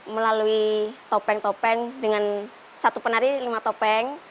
melalui topeng topeng dengan satu penari lima topeng